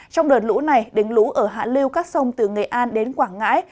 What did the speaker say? trong đợt lũ này đỉnh lũ ở hạ liêu các sông từ nghệ an đến quảng ngãi